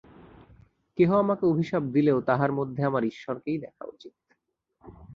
কেহ আমাকে অভিশাপ দিলেও তাহার মধ্যে আমার ঈশ্বরকেই দেখা উচিত।